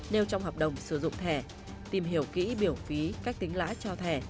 nêu trong hợp đồng sử dụng thẻ tìm hiểu kỹ biểu phí cách tính lãi cho thẻ